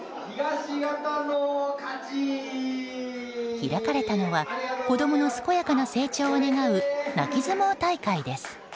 開かれたのは子供の健やかな成長を願う泣き相撲大会です。